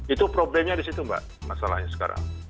itu problemnya di situ mbak masalahnya sekarang